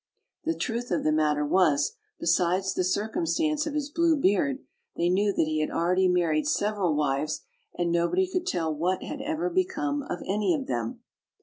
The truth of the matter was, besides the circumstance of his blue beard, they knew that he had already married sev eral wives, and nobody could tell what had ever become of any of them.